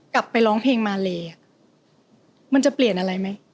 กลับไปร้องเพลงมาเลมันจะเปลี่ยนอะไรไหม